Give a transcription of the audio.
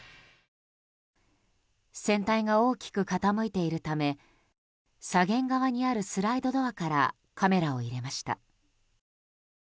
船体が大きく傾いているため左舷側にあるスライドドアからカメラを入れました。